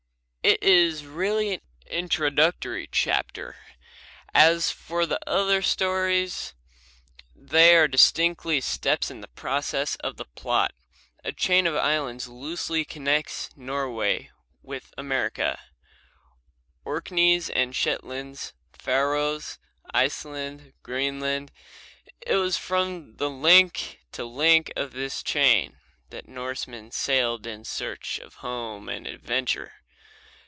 It is really an introductory chapter. As for the other stories, they are distinctly steps in the progress of the plot. A chain of islands loosely connects Norway with America, Orkneys and Shetlands, Faroes, Iceland, Greenland. It was from link to link of this chain that the Norsemen sailed in search of home and adventure.